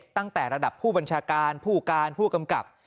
ตั้งแต่ระดับผู้บัญชาการผู้การผู้กำกับ